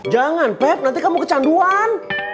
jangan pep nanti kamu kecanduan